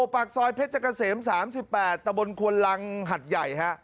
ปากซอยเพชรเกษม๓๘ตะบนควนลังหัดใหญ่ฮะ